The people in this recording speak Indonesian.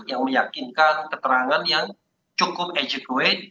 yang meyakinkan keterangan yang cukup eduate